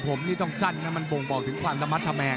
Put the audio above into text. ผมนี่ต้องสั้นนะมันบ่งบอกถึงความระมัดระวัง